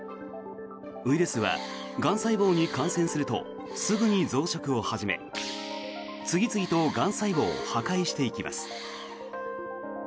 ウイルスはがん細胞に感染するとすぐに増殖を始め次々とがん細胞を破壊していきます。